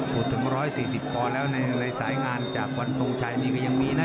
พูดถึง๑๔๐ปอนด์แล้วในสายงานจากวันทรงชัยนี่ก็ยังมีนะ